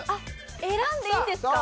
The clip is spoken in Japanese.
選んでいいんですか？